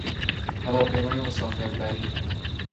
هواپیمای مسافر بری